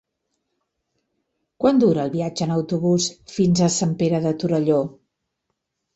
Quant dura el viatge en autobús fins a Sant Pere de Torelló?